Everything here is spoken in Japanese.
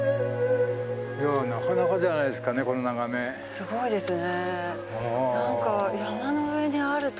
すごいですね。